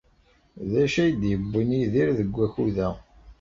D acu ay d-yewwin Yidir deg wakud-a?